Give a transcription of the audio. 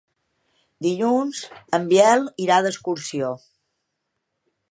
Dilluns en Biel irà d'excursió.